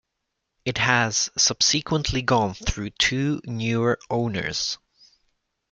It has subsequently gone through two newer owners.